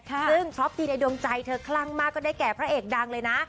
ซึ่งช็อปดีในดวงใจเธอคลั่งมากก็ได้แก่พระเอกดังเลยนะ